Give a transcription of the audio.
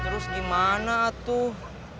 terus gimana tuh